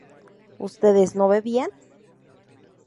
¿ustedes no bebían?